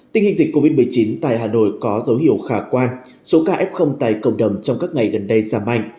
tình hình dịch covid một mươi chín tại hà nội có dấu hiệu khả quan số ca f tại cộng đồng trong các ngày gần đây giảm mạnh